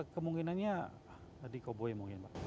kemungkinannya di koboi mungkin pak